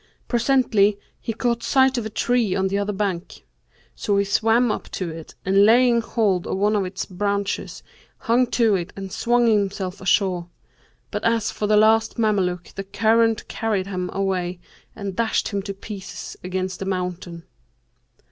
Presently, he caught sight of a tree on the other bank; so he swam up to it and laying hold of one of its branches, hung to it and swung himself ashore, but as for the last Mameluke the current carried him away and dashed him to pieces against the mountain.